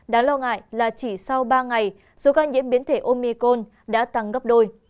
đáng lo ngại là chỉ sau ba ngày số ca nhiễm biến thể omicon đã tăng gấp đôi